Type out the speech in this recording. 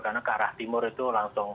karena ke arah timur itu langsung